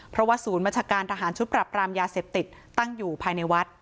เพราะว่าศูนย์บัญชาการทหารชุดปรับรามยาเสพติดตั้งอยู่ภายในวัด